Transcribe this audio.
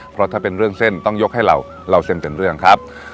เพราะถ้าเป็นเรื่องเส้นต้องยกให้เราเล่าเส้นเป็นเรื่องครับ